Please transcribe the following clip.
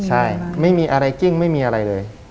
ใช่ไม่มีอะไรกิ้งไม่มีอะไรเลย